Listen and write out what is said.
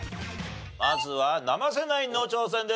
まずは生瀬ナインの挑戦です。